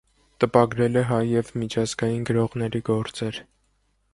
Տպագրել է հայ և միջազգային գրողների գործեր։